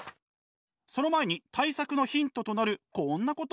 その前に対策のヒントとなるこんなことやっちゃいます。